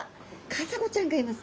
カサゴちゃんがいます。